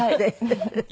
フフフフ。